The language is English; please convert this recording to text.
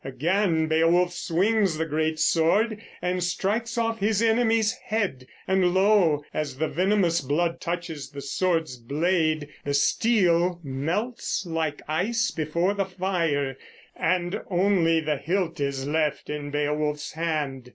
Again Beowulf swings the great sword and strikes off his enemy's head; and lo, as the venomous blood touches the sword blade, the steel melts like ice before the fire, and only the hilt is left in Beowulf's hand.